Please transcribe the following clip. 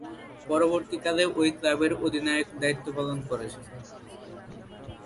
পরবর্তীকালে ঐ ক্লাবের অধিনায়কের দায়িত্ব পালন করেছেন।